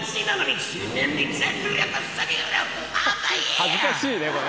恥ずかしいねこれ。